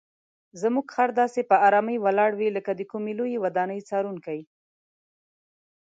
زموږ خر داسې په آرامۍ ولاړ وي لکه د کومې لویې ودانۍ څارونکی.